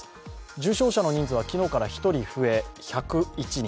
重症者の人数は昨日から１人増え、１０１人。